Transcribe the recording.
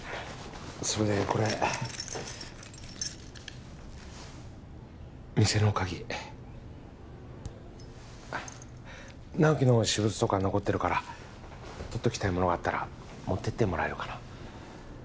それでこれ店の鍵直木の私物とか残ってるから取っときたいものがあったら持ってってもらえるかな